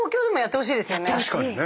確かにね。